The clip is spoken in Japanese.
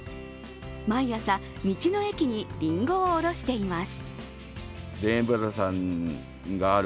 毎朝、道の駅にりんごを卸しています。